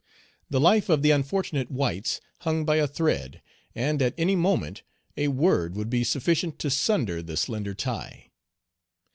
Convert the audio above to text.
The life of the unfortunate whites hung by a thread, and, at any moment, a word would be sufficient to sunder the slender tie.